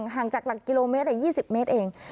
ห่างจากหลักกิโลเมตร๒๐เมตรเอง